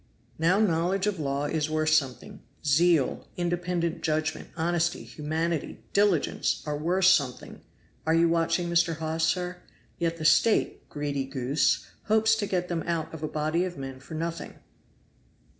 Now knowledge of law is worth something; zeal, independent judgment, honesty, humanity, diligence are worth something (are you watching Mr. Hawes, sir?); yet the State, greedy goose, hopes to get them out of a body of men for nothing!"